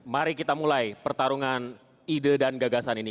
mari kita mulai pertarungan ide dan gagasan ini